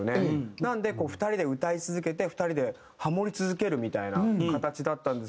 なので２人で歌い続けて２人でハモり続けるみたいな形だったんですけど。